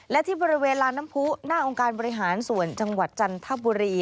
และที่บริเวณลานน้ำผู้หน้าองค์การบริหารส่วนจังหวัดจันทบุรี